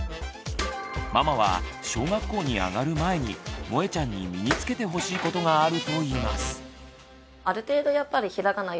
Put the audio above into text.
ママは小学校に上がる前にもえちゃんに身につけてほしいことがあるといいます。